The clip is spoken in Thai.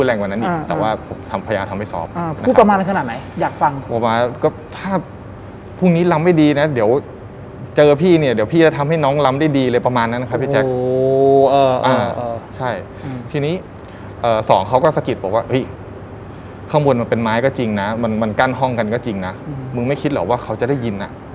แล้วพรุ่งนี้ไม่มีแรงลำเดี๋ยวหน้าดู